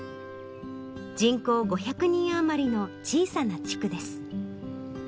人口５００人あまりの小さな地区です。